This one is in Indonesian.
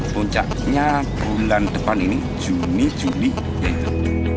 puncaknya bulan depan ini juni juli ya itu